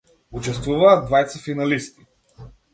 Учествуваат двајца финалисти.